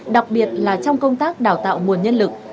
đặc biệt là trong công tác đào tạo nguồn nhân lực